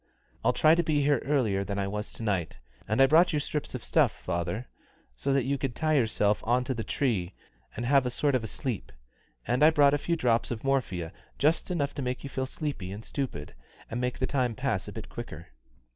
I'll try to be here earlier than I was to night. And I brought you strips of stuff, father, so that you could tie yourself on to the tree and have a sort of a sleep; and I brought a few drops of morphia, just enough to make you feel sleepy and stupid, and make the time pass a bit quicker."